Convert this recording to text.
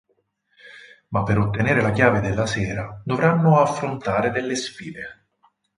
Ma per ottenere la Chiave della Sera dovranno affrontare delle sfide.